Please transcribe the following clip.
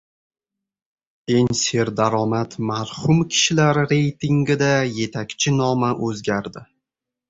Eng serdaromad marhum kishilar reytingida yetakchi nomi o‘zgardi